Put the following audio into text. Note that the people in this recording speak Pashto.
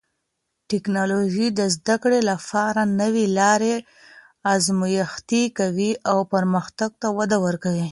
ټکنالوژي د زده کړې لپاره نوې لارې ازمېښتي کوي او پرمختګ ته وده ورکوي.